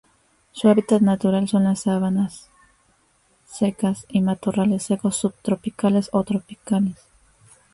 Su hábitat natural son sabanas secas y matorrales secos subtropicales o tropicales.